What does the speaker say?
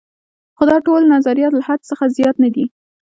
خو دا ټول نظریات له حدس څخه زیات نه دي.